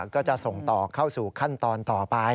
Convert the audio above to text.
ก็จะส่งต่อเข้าสู่ขั้นตอนต่อไป